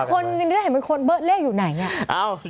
คุณมันเป็นคนจริงได้เห็นเป็นคนเบิ้ลเลขอยู่ไหนเนี่ย